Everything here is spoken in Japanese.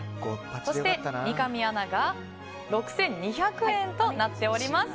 そして三上アナが６２００円となっております。